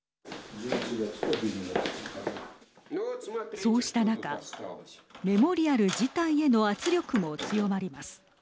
そうした中メモリアル自体への圧力も強まります。